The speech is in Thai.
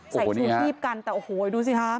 ใส่ถูกรีบกันแต่โอ้โหดูสิครับ